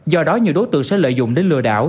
do đó nhiều đối tượng sẽ lợi dụng để lừa đảo